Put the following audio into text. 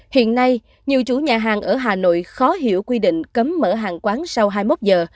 hiện nay nhiều chủ nhà hàng ở hà nội khó hiểu quy định cấm mở hàng quán sau hai mươi một giờ